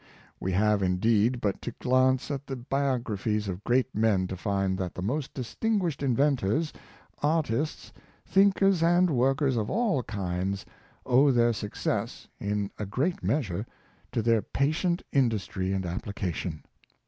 We have, indeed, but to glance at the bio graphies of great men to find that the most distin guished inventors, artists, thinkers and workers of all kinds, owe their success, in a great measure, to their patient industry and application.